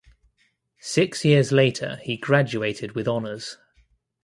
Six years later he graduated with honors.